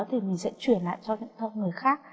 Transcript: thì mình sẽ chuyển lại cho những người khác